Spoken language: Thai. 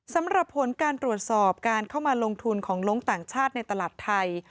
สำหรับผลการตรวจสอบการเข้ามาลงทุนของลงต่างชาติในตลาดไทย